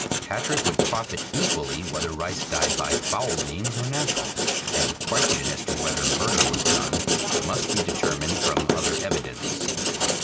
Patrick would profit equally whether Rice died by foul means or natural, and the question as to whether murder was done must be determined from other evidence.